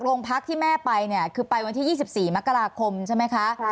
โรงพักที่แม่ไปเนี่ยคือไปวันที่๒๔มกราคมใช่ไหมคะ